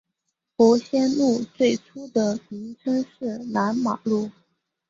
伯先路最初的名称是南马路。